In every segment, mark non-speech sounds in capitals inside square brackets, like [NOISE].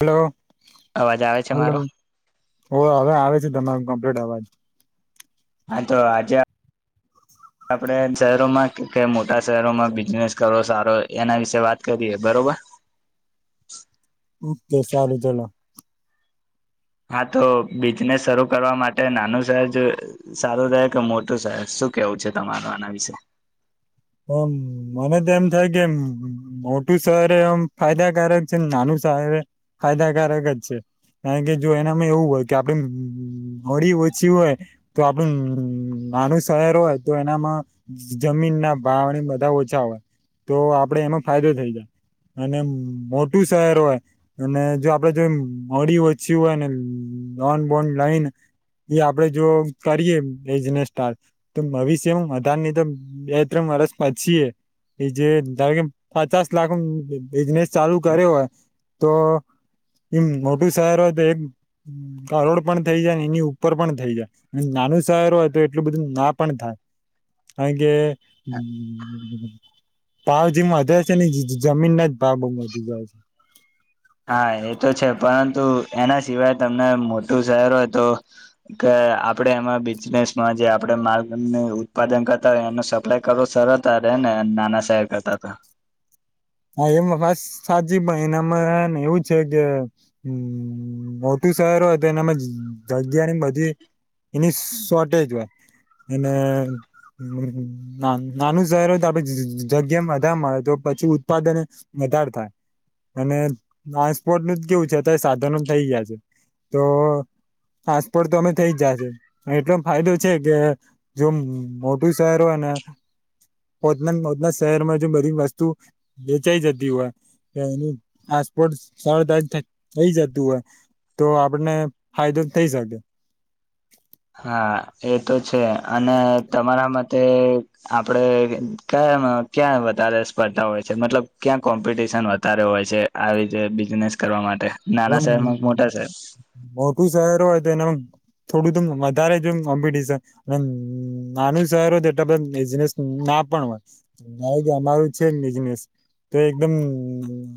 Hello અવાજ આવે છે હલો મારો ઓ હવે આવે છે ધં બડાવાદ હા તો આજ [UNINTELLIGIBLE] [INAUDIBLE] આપણે શહેરોમાં કે મોટા શહેરોમાં બિઝનેસ કરવો સારો એના વિશે વાત કરીએ બરોબર. તે સારું ચલો. હા તો બિઝનેસ શરૂ કરવા માટે નાનું શહેર સારું રહેાય કે મોટું શહેર છે. શું કેવું છે તમાર આના વિશે? હમ મને તો એમ થાય કેમ મોટું શર એમ ફાયદા ક છે ને નાનું સ ફાયદાકારક જ છે. કારણ કે જો એનામાં એવું હોય કે આપડે અળી ઓછી હોય તો આપડ નાનું શહેર હોય તો એનામાં જમીન ના બ બધા ઓછા હોય તો આપડે એમાં ફાયદો થઈ જાય. અને મોટું શહેર હોય અને જો આપડે જો મોડી ઓછી હોય ને નન બોન્ડ લઈન એ આપડે જો કરીયએ એને સ્ટાર્ટ તો ભવિષ્ય હું વધધારની તો માર્સ પછી એ જે ધાર કે પચાસ લાખ ન બિઝનેસ ચાલુ કર્યો હોય તો એમ મોટું શહેર તો એક કરોડ પણ થઈ જાય એની ઉપર પણ થઇ જાય નાનું શહેર હોય તો એટલું બધું ના પણ થાય. હે હ. ભાવ જે વધે છે ને જમીનના જ ભાવ બઉ વધી જાય છે. હા એ તો છે પરંતુ એના સિવાય તમને મોટું શહેર હોય તો કે તે આપણે એમાં બિઝનેસમાં જે આપડે માલ ને ઉત્પાદન કરતા હોય એનો સપ્લાય કરવો સરડતા રે ને નાના શહેર કરતા તો. હા એમાં વાત સાચી પણ એનામાં ને એવું છે કે અ મોટા મોટુ શહેર હોય તો એનામા જગ્યાની બધી એની શોર્ટેજ હોય એને ના નાનું શહેર હોય તો આપે જ જગ્યા ને બધા મળે તો પછી ઉત્પા ઉત્પાદન જ વધારે થાય. અને ટ્રાન્સપોર્ટનું તો કેવું છે અત્યારે સાધનો થઈ ગયા છે તો પાસપોર્ટ તો અમે થઇ જ જાશે એટલો ફાયદો છે કે જો મોટું શહેરો હોય ને પોતના પોતના શહેરમાં જો બધી વસ્તુ વેચાઈ જતી હોય તે એનું પાસપોર્ટ સરળતા થઈ જતું હોય તો આપડને ફાયદો થઇ શકે. હા એ તો છે અને તમારા માટે તે આપડે ક ક્યાં વધારે સ્પર્ધા હોય છે મતલબ ક્યાં કોમ્પિટશન વધારે હોય છે આવી રીતે બિઝનેસ કરવા માટે. નાના એમ શહેરમાં કે મોટા શહેર મોટું શહેર હોય તો એનો થોડું તો વધારે જો કોમ્પિટશન ને નાનું શહેર હોય તો બીઝનેસ ના ના પણ હોય કારણ કે અમારું જ છેને બિઝનેસ. તો એકદમ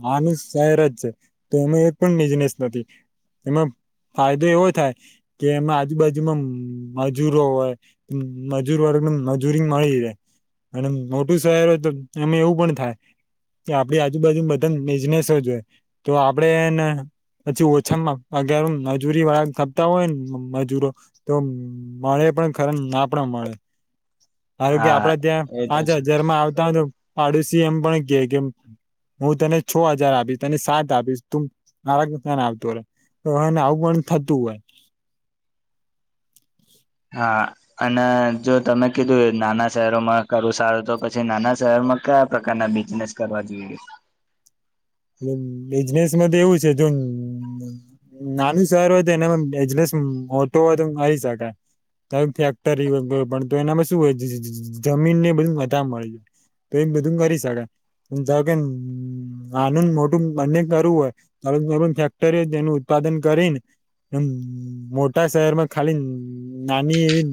નાનું શહેર જ છે તો એમાં એક પણ બિઝનેસ નથી. એમાં ફાયદો એવો થાય કે એમાં આજુબાજુમાં મજૂરો હોય મજૂર વર્ગ મજૂરી મળી જાય અને મોટું શહેર હોય તો એમાં એવું પણ થાય ત્યાં આપડી આજુબાજુ બધાને બિઝનેસ જ હોય તો આપડે ને પછી ઓછામાં પગાર મજૂરી વાળા ખપતા હોય ને મજૂરો તો મળે પણ ખરે ના પણ મળે. ધારોકે હા આપડા ત્યાં એ તો પાંચ છે હજારમાં આવતા હોય તો પાડોશી એમ પણ કે કે હું તને છ હજાર આપીશ તને સાત આપીશ તું મારા કે ત્યાને આવતો રેય હોય ને આવું પણ થતું હોય. [INAUDIBLE] હા અને જો તમે કીધું નાના શહેરોમાં કરું સારું તો પછી નાના શહેરમાં કયા પ્રકારના બિઝનેસ કરવા જોઈએ. એ બિઝનેસમાં તો એવું છે જો નાનું શહેર હોય તો એનામાં બજનેસ મોટું હોય તો મળી શકાય. તો ફેક્ટરી હોય પ પણ તો એનામાં શું હોય જજજ જમીનને બધી મથામણ. તો એમ બધું કરી શકાય જા કે ન નાનું ને મોટું બંને કરવું હોય તો હવે કોઈ પણ ફેક્ટરી હોય તેનું ઉત્પાદન કરીને એમ મોટા શહેરમાં ખાલી નાની એવી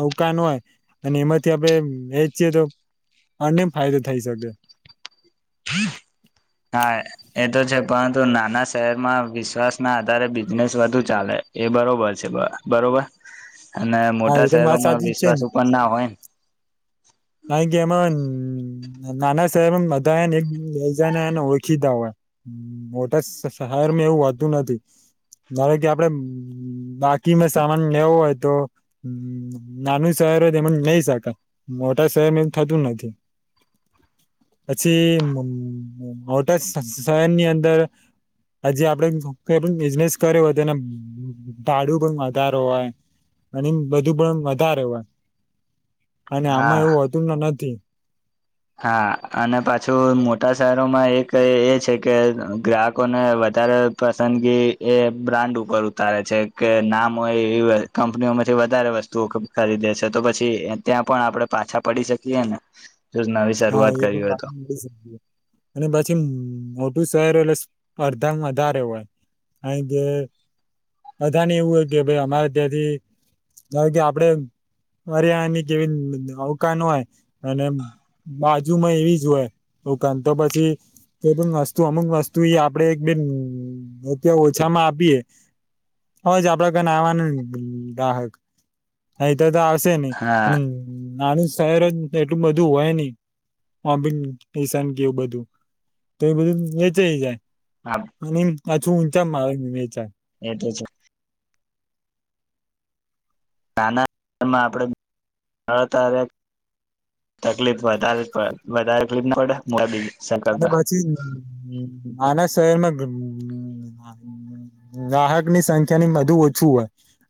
દુકાન હોય અને એમાંથી આપણે વેચીએ તો અર્નિગ ફાયદો થઈ શકે. [INAUDIBLE] હા એ તો છે પરંતુ નાના શહેરમાં વિશ્વાસના આધારે બિઝનેસ વધુ ચાલે. એ બરોબર છે. બ બરોબર. અને હા મોટા એ તો વાત શહેરોમાં સાચી જ છે ને વિશ્વાસુ પણ ના હોય. કારણ કે એમાં ન નાના શહેરમાં બધાય ને એક બીજાને ઓળખીતા હોય મોટા શ શ શહેરમાં એવુ હોતું નથી. ધારો કે આપડે બાકીનો સામાન લેવો હોય તો હમ્મ નાનું શહેર હોય તેમાંથી લઈ શકાય. મોટુ મોટા શહેરમાં એવુ થતું નથી. પછી મમ મોટા શ શહેરની અંદર હજી આપડે કઈ પણ બિઝનેસ કર્યો હોય તેનો ભાડું પણ વધારો હોય. અને બધું પણ વધારે હોય. અને આમાં હા એવું હતું તો નથી. હા અને પાછું મોટા શહેરોમાં એક એ છે કે ગ્રાહકોને વધારે પસંદગી એ બ્રાન્ડ ઉપર ઉતારે છે, કે નામ હોય એવ કંપનીઓમાં વધારે વસ્તુઓ ખરીદે છે, તો પછી ત્યાં પણ આપણે પાછા પડી શકીએ ને. જો નવી હા શરૂઆત એ કરી પણ હોય તો પાછી [UNINTELLIGIBLE] અને પછી [UNINTELLIGIBLE] શું શહેર એટલે સ્પર્ધામાં વધારે હોય. કારણે કે બધા ને એવું હોય કે ભઈ અમારે ત્યાંથી કારણ કે આપડે અરે આની કેવી અવકાન હોય અને બાજુમાં એવી જ હોય. દુકાન તો પછી તો પણ વસ્તુ અમુક વસ્તુ ઈ આપડે એક બેન ત્યાં ઓછામાં આપીએ હવે જ આપડા કને આવાનું ગ્રાહક [UNINTELLIGIBLE] તો આવશે નહી. હા નાની શહેર જ એટલું બધું હોય નહી હ બી ઈશાન કે એવું બધું તો એ બધું વેચાઈ જાય અને પાછું ઊંચા માર વેચાય. એટલે છે. નાનામાં આપણે [UNINTELLIGIBLE] તકલીફ વધારે પડે, વધારે તકલીફ પડે [UNINTELLIGIBLE] અને પછી આના શહેરમાં ગ્રાહક ની સંખ્યા ની બધુ ઓછું હોય.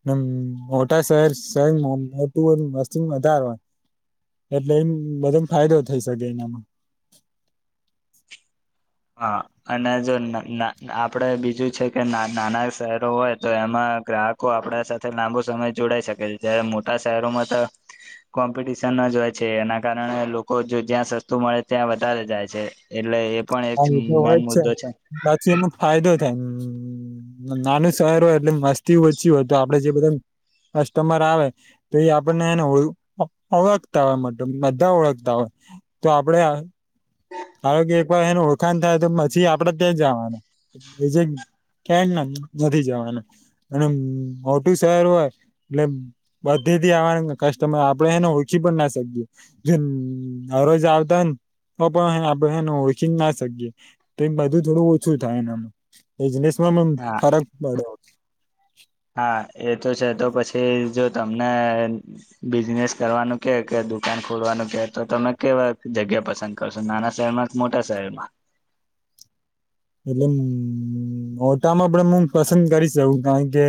નમ મોટા શહેર શર મ મોટું હોય વસ્ત વધાર હોય. એટલે એમ બધો ફાયદો થઈ શકે એનામાં. હા અને જો આપડે ન ન ના બીજું છે કે ના નાના શહેરો હોય તો એમાં માં ગ્રાહકો આપણા સાથે લાંબો સમય જોડાઈ શકે છે. જ્યારે મોટા શહેરોમાં તો કોમ્પિટિશન જ હોય છે. એના કારણે લોકો જો જ્યાં સસ્તું મળે ત્યાં વધારે જાય છે. એટલે એ પણ એક હા એ તો હોય મેન જ છે. મુદ્દો પછી એમ ફાયદો થાય હમ્મ. ન નાનું શહેર હોય એટલે મસ્તી ઓછી હોય તો આપડે જે બધા કસ્ટમર આવે તો એ આપણને એને ઓ ઓળખતા હોય મતલબ બધા ઓળખતા હોય. તો આપડે આ આ કે પણ એનું ઓળખાણ થાય તો પછી આપડે ત્યાં જવાના. એ જે કે ના નથી જવાના અને મોટી શહેર હોય એટલે બધ [UNINTELLIGIBLE] કસ્ટમર આપડે એને ઓળખી પણ ના શકીએ. જે રોજ આવતા હોય ને [UNINTELLIGIBLE] પણ હે ને આપડે હે ને ઓળખી જ ના શકીએ. તો એ બધું થોડું ઓછું થાય એનામાં. [UNINTELLIGIBLE] મમ હા ફરક પડ્યો હોય. હા એ તો છે, તો પછી જો તમને બિઝનેસ કરવાનું કે દુકાન ખોલવાનું કહે તો તમે કેવા જગ્યા પસંદ કરશો? નાના શહેરમાં કે મોટા શહેરમાં? [INAUDIBLE] એટલે અમ મોટામાં પણ હું પસંદ કરીશ એવું, કારણ કે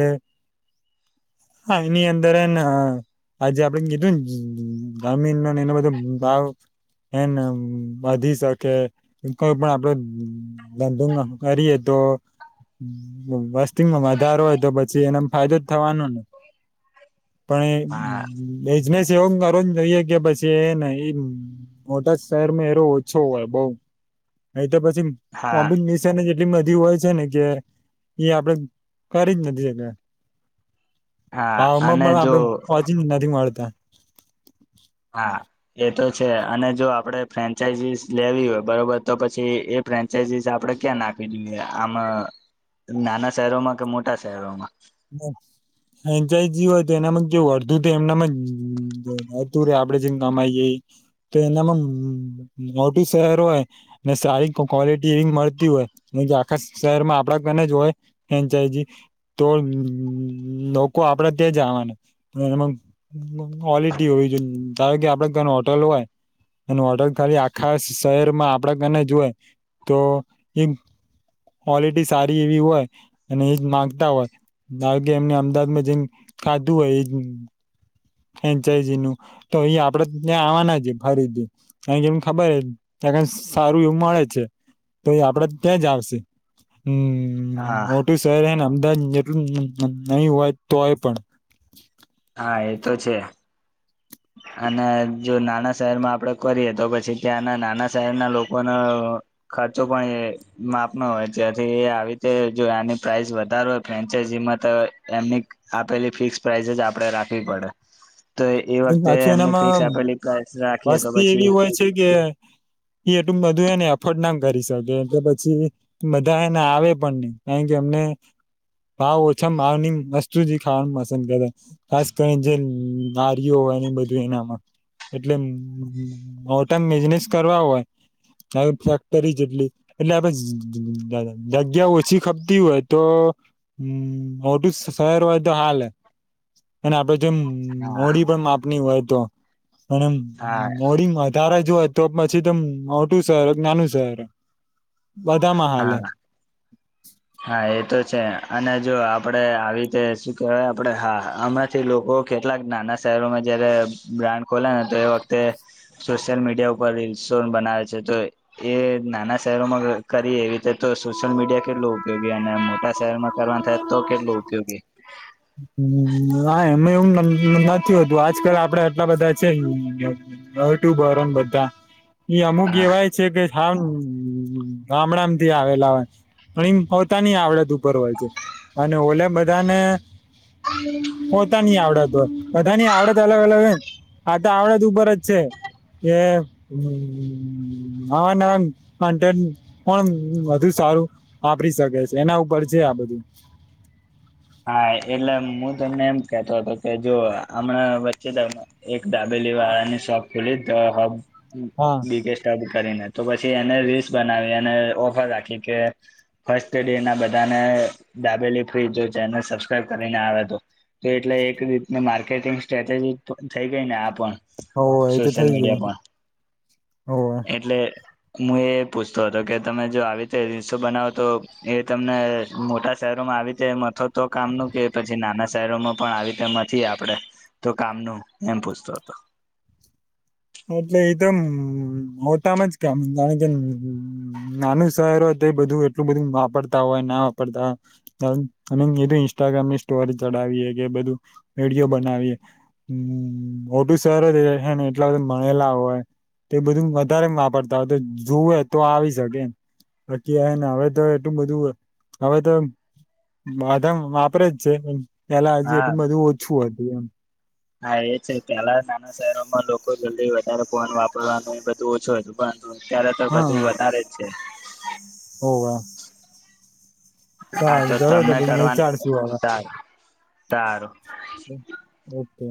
હા એની અંદર એને હે ને આજે આપડે કીધું ને જ જામીનને એનો બધો ભાવ એન વધી શકે, કોઈ પણ આપડો [UNINTELLIGIBLE] કરીએ તો વ વસ્તીમાં વધારો હોય તો પછી એનો ફાયદો જ થવાનોન. પણ એ બે હા બિઝનેસ એવું કરો જોઈએ કે પછી એને ઈ મોટા જ શહેરમાં એરો ઓછો હોય બઉ એ તો પછી હા કોમ્બિંગમીશન જ એટ લી બધી હોય છે ને કે એ આપડે કરી જ નથી શક્યા. હા હામાં અને પણ જો આપડે વાંચી નથી મળતા. હા એ તો છે અને જો આપડે ફ્રેન્ચાઈઝિસ લેવી હોય બરોબર તો પછી એ ફ્રેન્ચાઈઝીસ આપડે આપણે ક્યાં નાખવી જોઈએ આમ નાના શહેરોમાં કે મોટા શહેરોમાં બ ફ્રેન્ચાઈજી હોય તો એનામાં કેવું અડધૂ તો એમનેમ જ જતું રેય એમનેમ જ જતું રેય આપડે જે કમાઈ જઈ તો એનામાં મોટું શહેર હોય ને સારી ક્વોલિટી એવી મળતી હોય. ને આખા શહેરમાં આપડા ગને જ હોય ફેંનચાયઝી તો લોકો આપડે ત્યાં જ આવાના પણ એમાં કવોલિટી હોવી જોઈએ. કારણ કે આપડે ઘનું હોટલ હોય અને ઓર્ડર ખાલી આખા શહેરમાં આપડા કને હોય તો ઈ મ કવોલિટી સારી એવી હોય અને એજ માંગતા હોય. ના કે એમને અમદાવાદમાં જેમ ખાધું હોય ઈ જ ફ્રેનચાયઝી નું તો ઈ આપડે ત્યાં આવવાના જ ફરીથી અ કેમ કે એને ખબર જ ત્યાં સારું એવું મળે છે તો એ આપડે ત્યાં જ આવશે. હમમ હા મોટું શહેર અને અમદાવાદ નહી હોય તોય પણ હા એ તો છે. [INAUDIBLE] અને જો નાના શહેરમાં આપડે કરીએ તો પછી ત્યાંના નાના શહેરના લોકોના અ ખર્ચો પણ એ માપનો હોય ત્યાથી એ આવી રીતે જો આની પ્રાઇસ વધારે હોય ફ્રેનચાઈઝી માં ત એમની આપેલી ફિક્સ પ્રાઇસ જ આપડે રાખવી પડે. [INAUDIBLE] તો એ વાત પાછું એનામાં તો વસ્તી પછી એવી હોય છે કે એ એટું બધું એને એફટ ના કરી શકે એટલે પછી બધા એને આવે પણ નહી કારણ કે એમને ભાવ ઓછા ભાવ ની વસ્તુ જ ખાવાનું પસંદ કરે ખાસ કરીને જે નારિયો એની બધું એનામાં એટલે મોટામ બિઝનેસ કરવા હોય કય ફેક્ટરી જેટલી એટલે આપડે જગ્યા ઓછી ખપતી હોય તો હમમ મોટું શહેર હોય તો હાલે હ અને આપડે હા મોડી પણ માપની હોય તો અને હા મોડી વધારે જ તો પછી તો મોટું શહેર હોય કે નાનું શહેર હોય. બધામાં હા હાલે હા એ તો છે અને જો આપડે આવી રીતે શું કેહેવાય આપડે હા આમાંથી લોકો કેટલાક નાના શહેરોમાં જયારે બ્રાન્ડ ખોલે ને તો એ વખતે સોશિયલ મીડિયા ઉપર રીલ સોન બનાવે છે તો એ નાના શહેરોમાં કરી એવી રીતે તો સોશિયલ મીડિયા કેટલું ઉપયોગી અને મોટા શહેરમાં કરવા થાય તો કેટલું ઉપયોગી હમમ ના એમ એવું નક નક્કી નથી હોતું આજકાલ આપડે આટલા બધા છે યુટુબન અરુન બધા એ અમુક હા કેવાય છે કે હા ગામડા મથી આવેલા હોય પણ ઈન પોતાની આવડત ઉપર હોય છે. અને ઓલે બધાને પોતાની આવડત હોય બધાની આવડત અલગ અલગ હોય. હા તો આવડત ઉપર જ છે. એ નવા નવા કન્ટેન્ટ પણ વધુ સા સારું વાપરી શકે છે એના ઉપર છે આ બધું હા એટલે મુ તમને એમ કેતો હતો કે જો હમણાં વચ્ચે એક દાદર પલી વાળાની શોપ ખોલી તો હબ હા બી કે સબ કરી ને તો પછી એને રીલસ બનાવી અને ઓફર રાખી કે ફસ્ટ ડે ના બધાને દાબેલી ફ્રીજ છે ચેનલ સબસ્ક્રાઈબ કરીને આવે તો તો એટલે એક રીત માર્કેટિંગ સ્ટ્રેટેજી થઈ ગઈ ને આ પણ હો એ તો સોશિયલ થઈ ગઈ મીડિયા પણ હોવે એટલે હું એ પૂછતો હતો કે તમે જો આવી રીતે રીસો બનાવો તો એ તમને મોટા શહેરોમાં આવી રીતે મથો તો કામ ન કે પછી નાના શહેરોમાં પણ આવી રીતે મથી આપડે તો કામનું એમ પૂછતો હતો [INAUDIBLE] એટલે એ તો મોટામાં જ કેમ કારણ કે નાનું શરો બધું એટલું બધું વાપરતા હોય ના વાપરતા હોય એધું ઇન્સ્ટાગ્રામ ની સ્ટોરી ચડાવ વિડિયો બનાવી મોટું સરને એટલા બધા ભણેલા હોય તો બધું વધારે વાપરતા હોય તો જુએ તો આવી શકેમ બાકી ને હવે તો એટલું બધું હવે તો બધા વાપરે જ છે પેલા હજી એટલું બધું ઓછું હતું એમ હ છે એલા નાના શહેરોમાં એમાં લોકો જલ્દી વધારે ફોન વાપરવાનું એ બધું ઓછું હતું પણ અત્યારે તો બધું હા વધારે જ છે હોવે હા તો સારું ચલોતો તમને પછી મે કરવા વિચારી શું હવે સારું સારું ઓકે